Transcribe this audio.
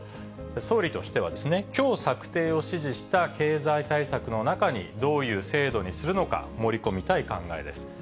総理としては、きょう策定を指示した経済対策の中に、どういう制度にするのか盛り込みたい考えです。